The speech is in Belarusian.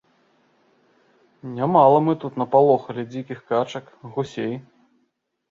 Нямала мы тут напалохалі дзікіх качак, гусей.